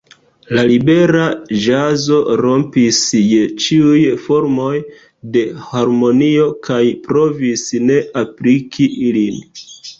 La libera ĵazo rompis je ĉiuj formoj de harmonio kaj provis ne apliki ilin.